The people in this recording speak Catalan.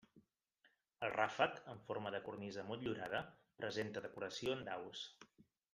El ràfec, en forma de cornisa motllurada, presenta decoració en daus.